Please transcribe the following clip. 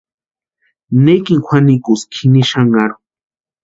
¿Nékini kwʼanikuski jini xanharhu?